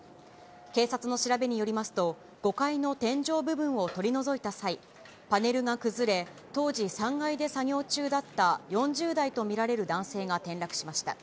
警察の調べによりますと、５階の天井部分を取り除いた際、パネルが崩れ、当時３階で作業中だった４０代と見られる男性が転落しました。